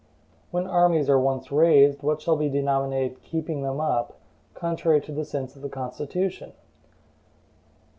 When armies are once raised what shall be denominated "keeping them up," contrary to the sense of the Constitution?